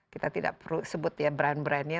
kita tidak perlu sebut ya brand brandnya